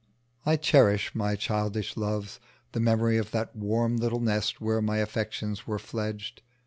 I cherish my childish loves the memory of that warm little nest where my affections were fledged.